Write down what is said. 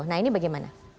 nah ini bagaimana